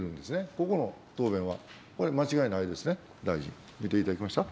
ここの答弁はこれ、間違いないですね、大臣、見ていただけました。